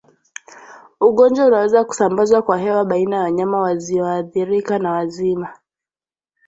Ugonjwa unaweza kusambazwa kwa hewa baina ya wanyama wazioathirika na wazima